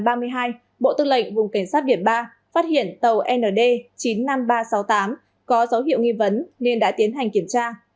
bộ tư lệnh vùng cảnh sát biển ba phát hiện tàu nd chín mươi năm nghìn ba trăm sáu mươi tám có dấu hiệu nghi vấn nên đã tiến hành kiểm tra